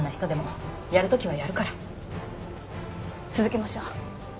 続けましょう。